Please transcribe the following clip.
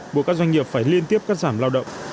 buộc các doanh nghiệp phải liên tiếp cắt giảm lao động